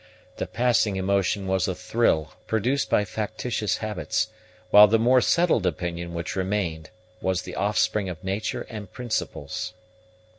The passing emotion was a thrill produced by factitious habits, while the more settled opinion which remained was the offspring of nature and principles.